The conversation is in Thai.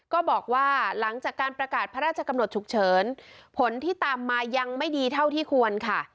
ก็บอกว่าหลังจากการประกาศพระราชกำหนดฉุกเฉินผลที่ตามมายังไม่ดีเท่าที่ควรค่ะ